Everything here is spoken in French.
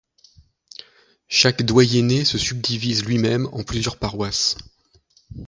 Chaque doyenné se subdivise lui-même en plusieurs paroisses.